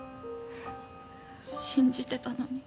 信じてたのに。